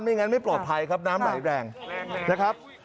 งั้นไม่ปลอดภัยครับน้ำไหลแรงนะครับ